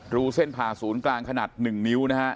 รูเส้นผ่าศูนย์กลางขนาด๑นิ้วนะฮะ